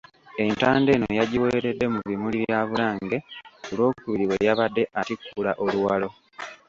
Entanda eno yagiweeredde mu bimuli bya Bulange ku lwokubiri bwe yabadde atikkula Oluwalo.